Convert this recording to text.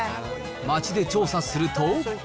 街で調査すると。